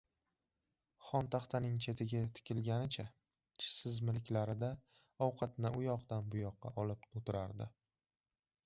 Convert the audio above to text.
xontaxtaning chetiga tikilganicha tishsiz milklarida ovqatni u yoqdan bu yoqqa olib oʻtirardi.